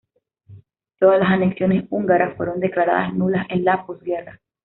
Todas las anexiones húngaras fueron declaradas nulas en la posguerra.